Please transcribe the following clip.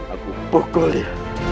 aku pukul dia